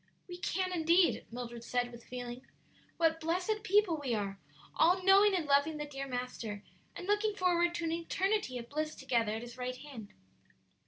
"We can indeed," Mildred said, with feeling. "What blessed people we are! all knowing and loving the dear Master, and looking forward to an eternity of bliss together at His right hand."